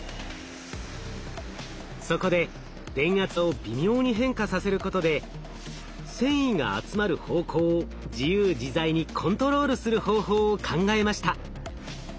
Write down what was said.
そこで電圧を微妙に変化させることで繊維が集まる方向を自由自在にコントロールする方法を考えました。